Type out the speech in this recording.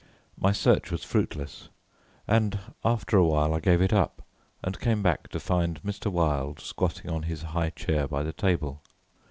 My search was fruitless, and after a while I gave it up and came back to find Mr. Wilde squatting on his high chair by the table.